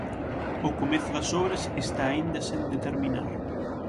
O comezo das obras está aínda sen determinar.